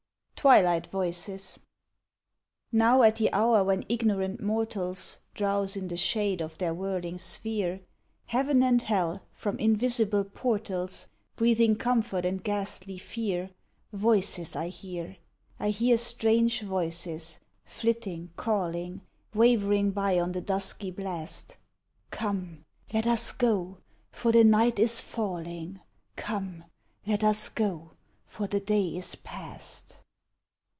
TWILIGHT VOICES Now, at the hour when ignorant mortals Drowse in the shade of their whirling sphere, Heaven and Hell from invisible portals Breathing comfort and ghastly fear, Voices I hear; I hear strange voices, flitting, calling, Wavering by on the dusky blast, 'Come, let us go, for the night is falling; Come, let us go, for the day is past!'